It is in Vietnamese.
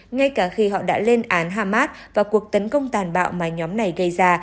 ngay cả khi họ đã lên án hamas và cuộc tấn công tàn bạo mà nhóm này gây ra